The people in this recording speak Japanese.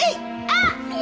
あっ！